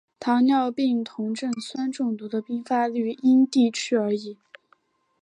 糖尿病酮症酸中毒的病发率因地区而异。